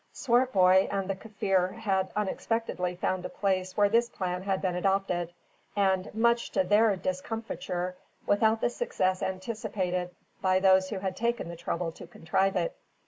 Swartboy and the Kaffir had unexpectedly found a place where this plan had been adopted; and, much to their discomfiture, without the success anticipated by those who had taken the trouble to contrive it.